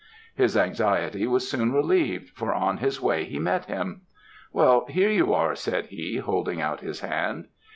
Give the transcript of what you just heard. "His anxiety was soon relieved, for on his way he met him. "'Well, here you are,' said he, holding out his hand.